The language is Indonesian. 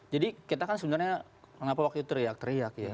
jadi kita kan sebenarnya kenapa waktu itu teriak teriak ya